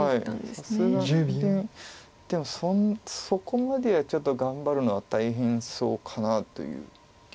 さすがにでもそこまではちょっと頑張るのは大変そうかなという局面ですか。